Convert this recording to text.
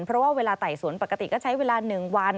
เพราะว่าเวลาไต่สวนปกติก็ใช้เวลา๑วัน